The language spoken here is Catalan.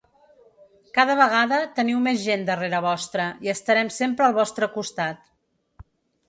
Cada vegada teniu més gent darrere vostre i estarem sempre al vostre costat.